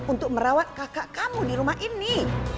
untuk merawat kakak kamu di rumah ini